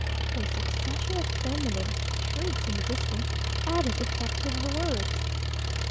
A succession of feminine shrieks in the distance, added effect to her words.